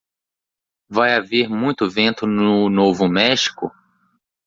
Vai haver muito vento no Novo México?